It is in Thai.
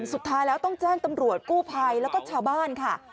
สุดท้ายแล้วต้องแจ้งตำรวจกู้ภัยแล้วก็ชาวบ้านค่ะ